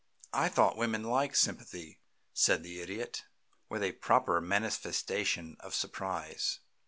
"I thought women liked sympathy?" said the Idiot, with a proper manifestation of surprise.